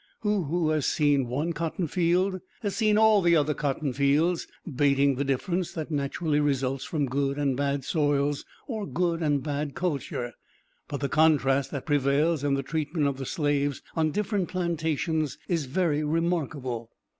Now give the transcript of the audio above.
He who has seen one cotton field has seen all the other cotton fields, bating the difference that naturally results from good and bad soils, or good and bad culture; but the contrast that prevails in the treatment of the slaves, on different plantations, is very remarkable.